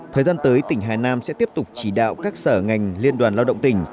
thời gian tới tỉnh hà nam sẽ tiếp tục chỉ đạo các sở ngành liên đoàn lao động tỉnh